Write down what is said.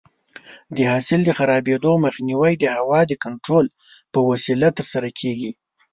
د حاصل د خرابېدو مخنیوی د هوا د کنټرول په وسیله ترسره کېږي.